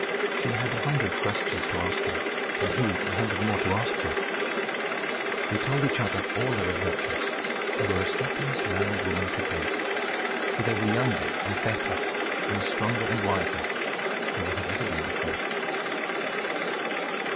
She had a hundred questions to ask him, and he a hundred more to ask her. They told each other all their adventures, and were as happy as man and woman could be. For they were younger and better, and stronger and wiser, than they had ever been before.